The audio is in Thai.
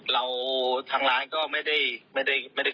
เราทางร้านก็ไม่ได้คิดอะไร